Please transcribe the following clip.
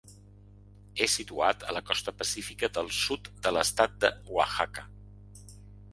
És situat a la costa pacífica del sud de l'estat d'Oaxaca.